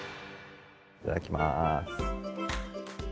いただきまーす。